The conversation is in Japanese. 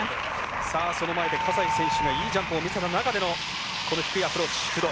その前で、葛西選手がいいジャンプを見せた中でのこの低いアプローチ、工藤。